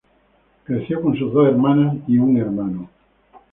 Creció con sus dos hermanas y un hermano.